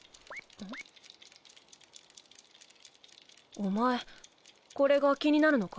おまえこれが気になるのか？